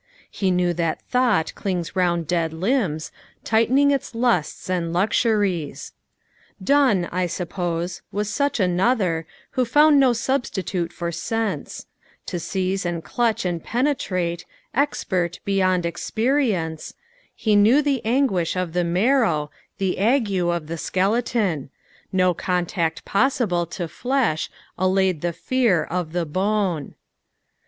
He knew that thought clings round dead limbs Tightening its lusts and luxuries. Donne, I suppose, was such another Who found no substitute for sense; To seize and clutch and penetrate, Expert beyond experience, He knew the anguish of the marrow The ague of the skeleton; No contact possible to flesh Allayed the fever of the bone.